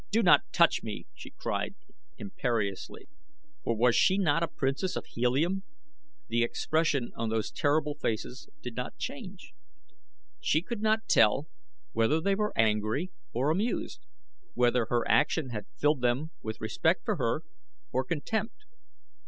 "Do not touch me!" she cried, imperiously, for was she not a princess of Helium? The expression on those terrible faces did not change. She could not tell whether they were angry or amused, whether her action had filled them with respect for her, or contempt.